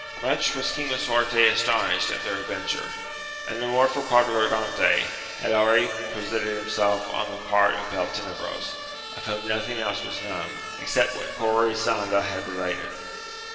Much was King Lisuarte AMADIS OF GAUL. 33 astonished at their adventure, and the more for Quadragante had ahready presented himself on the part of Beltenebros, of whom nothing else was known except what Corisanda had related.